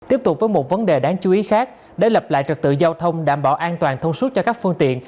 tiếp tục với một vấn đề đáng chú ý khác để lập lại trật tự giao thông đảm bảo an toàn thông suốt cho các phương tiện